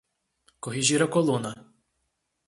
Corrigir a coluna